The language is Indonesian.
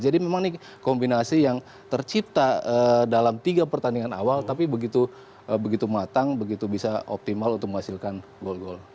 jadi memang ini kombinasi yang tercipta dalam tiga pertandingan awal tapi begitu matang begitu bisa optimal untuk menghasilkan gol gol